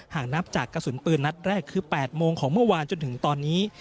หากนับจากกระสุนปืนนัดแรกคือ๘โมงของเมื่อวานจนถึงตอนนี้